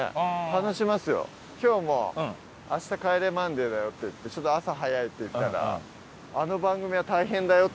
今日も「明日『帰れマンデー』だよ」って言って「ちょっと朝早い」って言ったら「あの番組は大変だよ」